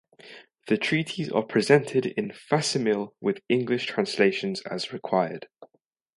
The treaties are presented in facsimile with English translations as required.